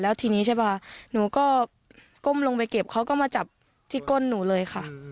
แล้วทีนี้ใช่ป่ะหนูก็ก้มลงไปเก็บเขาก็มาจับที่ก้นหนูเลยค่ะ